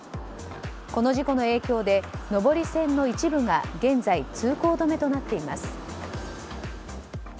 この事故の影響で上り線の一部が現在、通行止めとなっています。